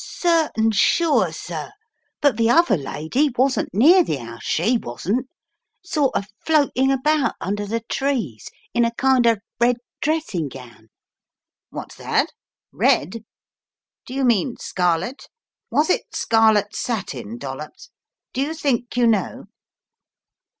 "Certain sure, sir, but the other lady wasn't near the house she wasn't. Sort of floating about under the trees in a kind of red dressing gown " "What's that — red — do you mean scarlet? Was it scarlet satin, Dollops? Do you think you know?"